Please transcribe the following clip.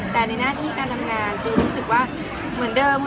แต่ในหน้าที่การทำงานคือรู้สึกว่าเหมือนเดิม